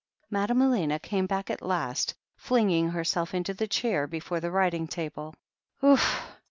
..." Madame Elena came back at last, flinging herself into the chair before the writing table.